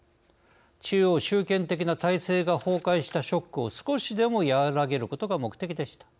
中央集権的な体制が崩壊したショックを少しでも和らげることが目的でした。